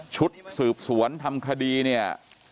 ชุดสืบสวนทำคดีเนี่ย